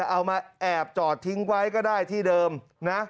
เอามาแอบจอดทิ้งไว้ก็ได้ที่เดิมนะ